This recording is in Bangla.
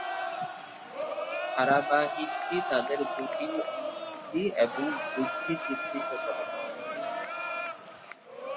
ধারাবাহিকটি তাদের জটিল অনুভূতি এবং বৃদ্ধি চিত্রিত করে।